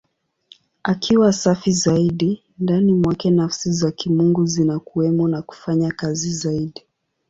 Akiwa safi zaidi, ndani mwake Nafsi za Kimungu zinakuwemo na kufanya kazi zaidi.